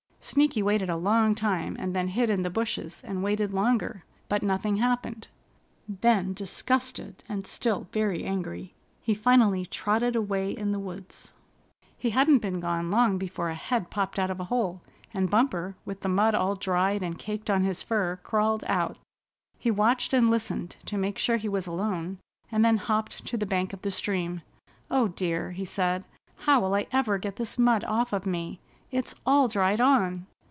Sneaky waited a long time, and then hid in the bushes and waited longer. But nothing happened. Then disgusted, and still very angry, he finally trotted away in the woods. He hadn't been gone long before a head popped out of a hole, and Bumper, with the mud all dried and caked on his fur, crawled out. He watched and listened to make sure he was alone, and then hopped to the bank of the stream. "Oh, dear," he said, "how will I ever get this mud off of me? It's all dried on!"